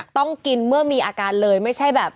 ต้องกินเมื่อมีอาการเลยไม่ใช่แบบ